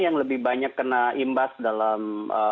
yang lebih banyak kena imbas dalam